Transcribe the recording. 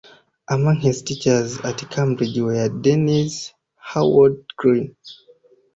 Among his teachers at Cambridge were Dennis Howard Green.